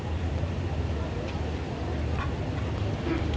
asal sekolah sma negeri dua puluh tujuh